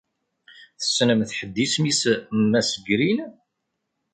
Tessnemt ḥedd isem-is Mass Green?